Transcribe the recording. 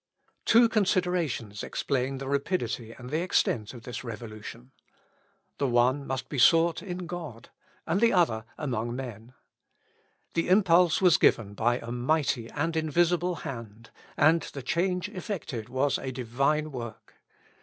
Two considerations explain the rapidity and the extent of this revolution. The one must be sought in God, the other among men. The impulse was given by a mighty and invisible hand, and the change effected was a Divine work.